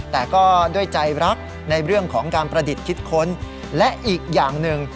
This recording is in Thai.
แต่ก็ด้วยใจรักในเรื่องของการประดิษฐ์คิดค้นและอีกอย่างหนึ่ง